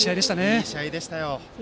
いい試合でしたよ。